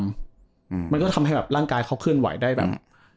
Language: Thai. มันก็ทำให้แบบร่างกายเขาเคลื่อนไหวได้แบบ